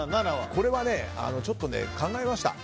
これはね、ちょっと考えました。